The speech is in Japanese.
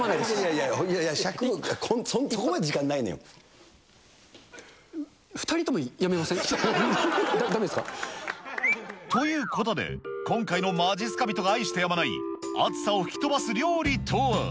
いやいやいや、そこまで時間２人ともやめません？ということで、今回のまじっすか人が愛してやまない、暑さを吹き飛ばす料理とは。